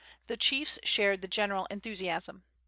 The chiefs shared the general enthusiasm.